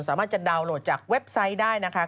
สามารถจะดาวนโหลดจากเว็บไซต์ได้นะคะ